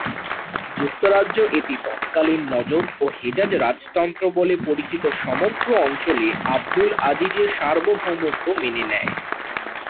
যুক্তরাজ্য এতে তৎকালীন নজদ ও হেজাজ রাজতন্ত্র বলে পরিচিত সমগ্র অঞ্চলে আবদুল আজিজের সার্বভৌমত্ব মেনে নেয়।